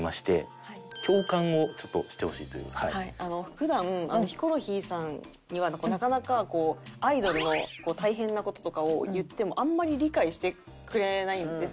普段ヒコロヒーさんにはなかなかこうアイドルの大変な事とかを言ってもあんまり理解してくれないんですね。